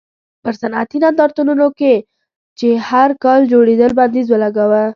پر صنعتي نندارتونونو چې هر کال جوړېدل بندیز ولګاوه.